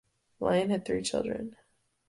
Lion had three children.